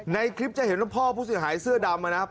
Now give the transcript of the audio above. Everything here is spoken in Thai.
ในคลิปจะเห็นว่าพ่อผู้เสียหายเสื้อดำนะครับ